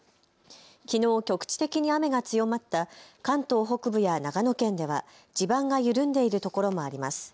きのう局地的に雨が強まった関東北部や長野県では、地盤が緩んでいるところもあります。